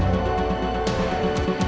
jangan pernah salahin putri